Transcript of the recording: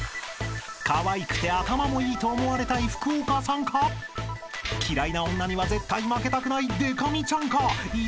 ［かわいくて頭もいいと思われたい福岡さんか嫌いな女には絶対負けたくないでか美ちゃんか井上さんか？］